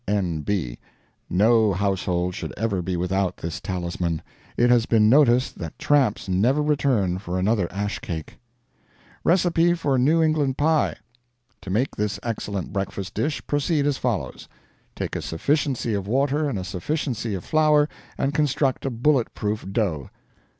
N.B. No household should ever be without this talisman. It has been noticed that tramps never return for another ash cake. RECIPE FOR NEW ENGLISH PIE To make this excellent breakfast dish, proceed as follows: Take a sufficiency of water and a sufficiency of flour, and construct a bullet proof dough.